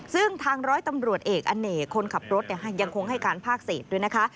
ซึ่งทางร้อยตำรวจเอกอเนกคนขับรถยังคงให้การภาคเศษด้วยนะคะ